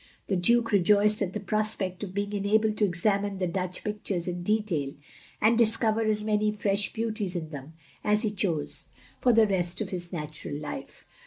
The Duke rejoiced at the prospect of being enabled to examine the Dutch pictures in detail, and discover as many fresh beauties in them as he chose, for the rest of his natural life.